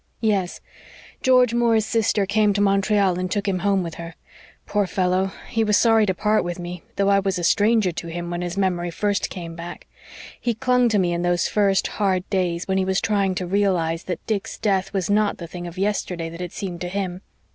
"Yes. George Moore's sister came to Montreal and took him home with her. Poor fellow, he was sorry to part with me though I was a stranger to him when his memory first came back. He clung to me in those first hard days when he was trying to realise that Dick's death was not the thing of yesterday that it seemed to him.